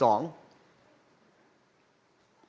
บางเขต๕๒๐๐๐คน